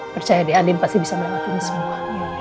percaya di andin pasti bisa melewati ini semua